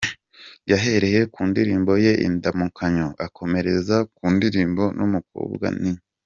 Yahereye ku ndirimbo ye ‘Indamukanyo’, akomereza ku ndirimbo, ‘n’umukobwa’, ni.